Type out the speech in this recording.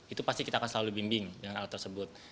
itu pasti kita akan selalu bimbing dengan hal tersebut